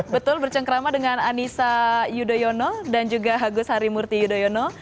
betul bercengkrama dengan anissa yudhoyono dan juga agus harimurti yudhoyono